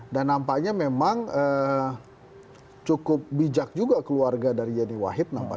dan nampaknya memang cukup bijak juga keluarga dari yeni wahid